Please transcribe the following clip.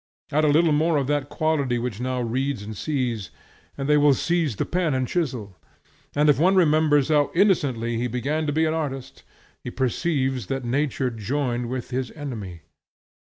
Add a little more of that quality which now reads and sees, and they will seize the pen and chisel. And if one remembers how innocently he began to be an artist, he perceives that nature joined with his enemy.